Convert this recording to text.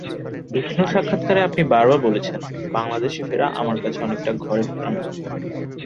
বিভিন্ন সাক্ষাৎকারে আপনি বারবার বলেছেন, বাংলাদেশে ফেরা আমার কাছে অনেকটা ঘরে ফেরার মতো।